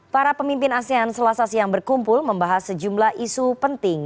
para pemimpin asean selasa siang berkumpul membahas sejumlah isu penting